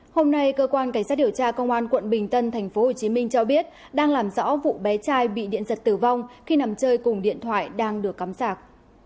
hôm nay cơ quan cảnh sát điều tra công an quận bình tân tp hcm cho biết đang làm rõ vụ bé trai bị điện giật tử vong khi nằm chơi cùng điện thoại đang được cắm sạc